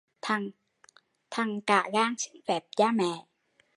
Thằng cả gan, dám lấy vợ mà không xin phép cha mẹ